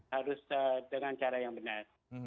harus dengan cara yang benar